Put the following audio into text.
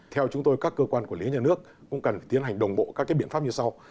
theo chúng tôi các cơ quan quản lý nhà nước cũng cần phải tiến hành đồng bộ các biện pháp như sau